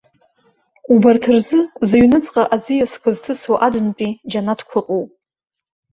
Убарҭ рзы, зыҩныҵҟа аӡиасқәа зҭысуа Аднтәи џьанаҭқәа ыҟоуп.